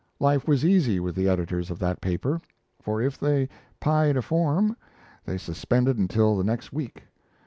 Life was easy with the editors of that paper; for if they pied a form, they suspended until the next week.